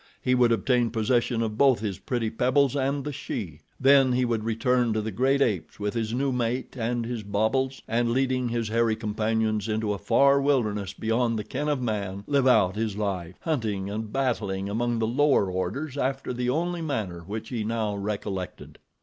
He would obtain possession of both his pretty pebbles and the she. Then he would return to the great apes with his new mate and his baubles, and leading his hairy companions into a far wilderness beyond the ken of man, live out his life, hunting and battling among the lower orders after the only manner which he now recollected.